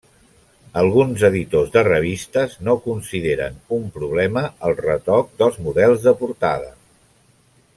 Alguns editors de revistes no consideren un problema el retoc dels models de portada.